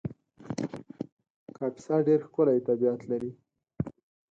کاپیسا ډېر ښکلی طبیعت لري